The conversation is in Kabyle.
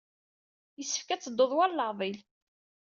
Yessefk ad tebdud war leɛḍil.